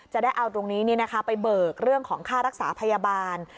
จะได้เอาตรงนี้ไปเบิกเรื่องของค่ารักษาพยาบาล